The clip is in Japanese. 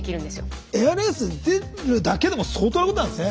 エアレースに出るだけでも相当なことなんですね？